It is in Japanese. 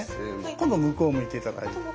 今度向こう向いて頂いて。